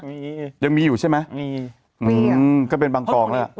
มียังมีอยู่ใช่มั้ยมีอืมก็เป็นบางกองแล้ว